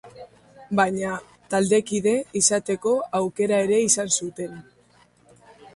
Baina, taldekide izateko aukera ere izan zuten.